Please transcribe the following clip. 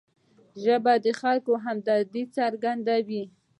ژبه د خلکو همدردي څرګندوي